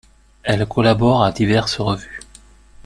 Elle collabore à diverses revues.